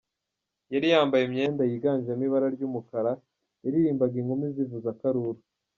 Yari yambaye imyenda yiganjemo ibara ry'umukara, yaririmbaga inkumi zivuza akururu.